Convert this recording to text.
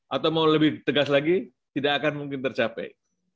atau mau lebih tegas lagi tidak akan mungkin tercapai